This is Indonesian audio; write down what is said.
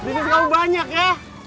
bisnis kamu banyak ya